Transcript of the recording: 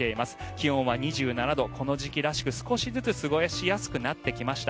気温は２７度この時期らしく少しずつ過ごしやすくなってきました。